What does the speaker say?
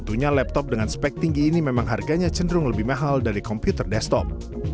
tapi juga untuk komputer desktop dengan spek tinggi ini memang harganya cenderung lebih mahal dari komputer desktop